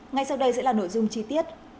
ngay sau đây sẽ là nội dung chi tiết